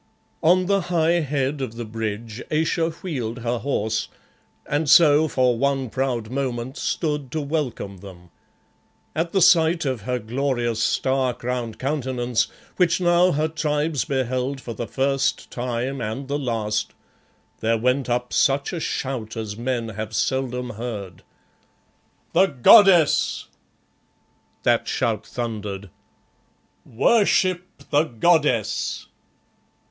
On the high head of the bridge Ayesha wheeled her horse, and so for one proud moment stood to welcome them. At the sight of her glorious, star crowned countenance, which now her Tribes beheld for the first time and the last, there went up such a shout as men have seldom heard. "The Goddess!" that shout thundered. "Worship the Goddess!"